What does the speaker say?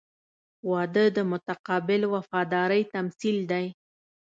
• واده د متقابل وفادارۍ تمثیل دی.